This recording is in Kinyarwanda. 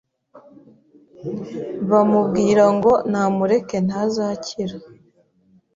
bamubwira ngo namureke ntazakira